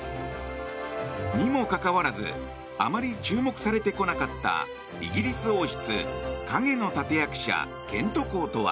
にもかかわらずあまり注目されてこなかったイギリス王室陰の立役者ケント公とは